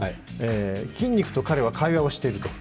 筋肉と彼は会話をしていると。